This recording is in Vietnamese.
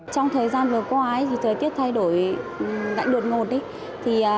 trong thời gian vừa qua thời tiết thay đổi gạnh đột ngột